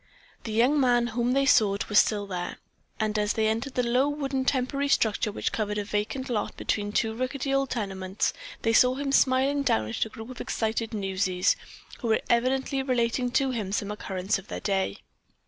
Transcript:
The young man whom they sought was still there, and as they entered the low wooden temporary structure which covered a vacant lot between two rickety old tenements, they saw him smiling down at a group of excited newsies, who were evidently relating to him some occurrence of their day.